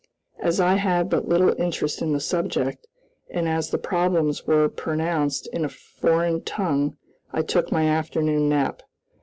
As I had but little interest in the subject, and as the problems were pronounced in a foreign tongue, I took my afternoon nap.